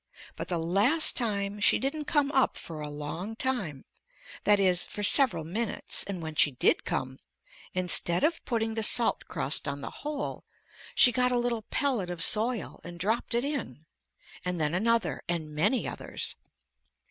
But the last time she didn't come up for a long time; that is, for several minutes, and when she did come, instead of putting the salt crust on the hole, she got a little pellet of soil and dropped it in; and then another, and many others.